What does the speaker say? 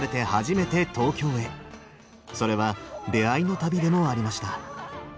それは出会いの旅でもありました。